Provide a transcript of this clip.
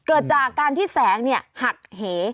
เกิดจากการที่แสงหักเห